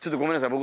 僕